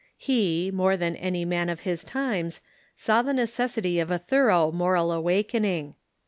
He, more than any man of his times, saw the necessity of a thor ough moral awakening.